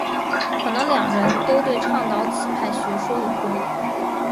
可能两人都对倡导此派学说有功。